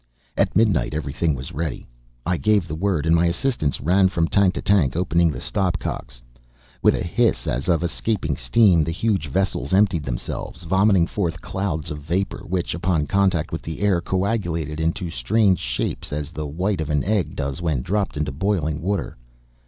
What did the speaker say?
At midnight everything was ready. I gave the word, and my assistants ran from tank to tank, opening the stopcocks. With a hiss as of escaping steam the huge vessels emptied themselves, vomiting forth clouds of vapor, which, upon contact with the air, coagulated into strange shapes as the white of an egg does when dropped into boiling water.